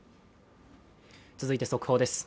続いて速報です。